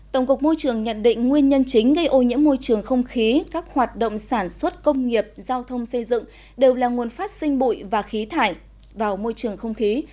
tổng cục môi trường nhận định nguyên nhân chính gây ô nhiễm môi trường không khí các hoạt động sản xuất công nghiệp giao thông xây dựng đều là nguồn phát sinh bụi và khí thải vào môi trường không khí